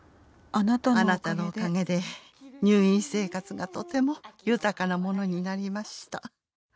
「あなたのおかげで入院生活がとても豊かなものになりました」